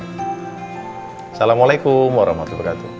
assalamualaikum warahmatullahi wabarakatuh